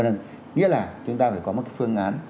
nên nghĩa là chúng ta phải có một cái phương án